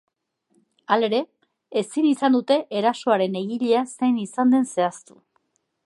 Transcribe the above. Halere, ezin izan dute erasoaren egilea zein izan den zehaztu.